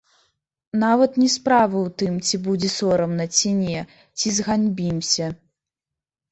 Нават не справа ў тым, ці будзе сорамна, ці не, ці зганьбімся.